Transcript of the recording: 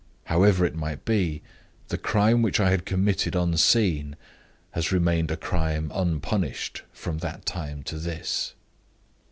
However it might be, the crime which I had committed unseen has remained a crime unpunished from that time to this.